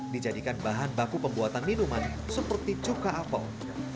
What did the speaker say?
dijadikan bahan baku pembuatan minuman seperti cukah apple